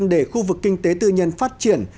để khu vực kinh tế tư nhân phát triển